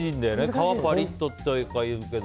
皮パリッととか言うけど。